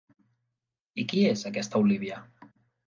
I qui és aquesta Olívia?